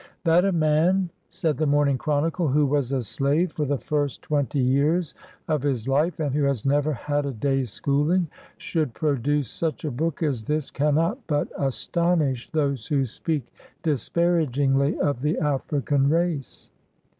" That a man," said the Morning Chronicle, "who was a slave for the first twenty years of his life, and who has never had a day's schooling, should produce such a book as this, cannot but astonish those who speak disparagingly of the African race."